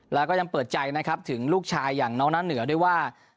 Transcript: แล้วก็ยังเปิดใจนะครับถึงลูกชายอย่างน้องน้าเหนือด้วยว่า